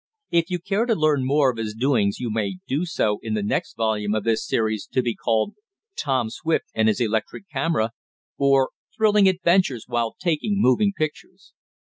If you care to learn more of his doings you may do so in the next volume of this series, to be called, "Tom Swift and His Electric Camera; Or Thrilling Adventures While Taking Moving Pictures."